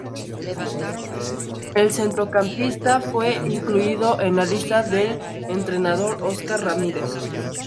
El centrocampista fue incluido en la lista del entrenador Óscar Ramírez.